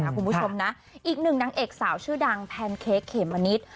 คุณผู้ชมนะอีกหนึ่งนางเอกสาวชื่อดังแพนเค้กเขมมะนิด